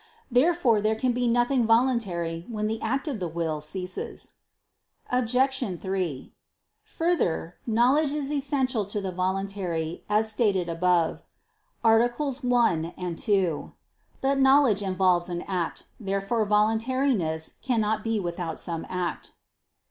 Therefore there can be nothing voluntary when the act of the will ceases. Obj. 3: Further, knowledge is essential to the voluntary, as stated above (AA. 1, 2). But knowledge involves an act. Therefore voluntariness cannot be without some act.